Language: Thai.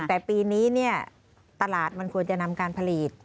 แต่ปีนี้ตลาดมันควรจะนำการผลิต